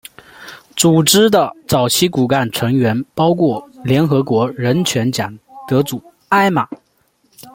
组织的早期骨干成员包括联合国人权奖得主艾玛。